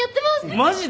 マジで！？